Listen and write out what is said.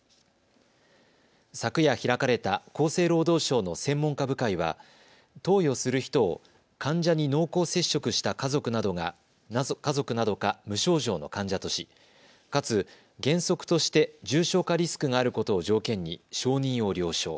昨夜開かれた厚生労働省の専門家部会は投与する人を患者に濃厚接触した家族などか無症状の患者とし、かつ原則として重症化リスクがあることを条件に承認を了承。